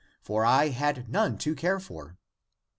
For I had none to care for.